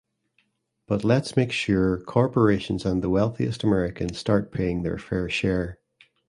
But let’s make sure corporations and the wealthiest Americans start paying their fair share.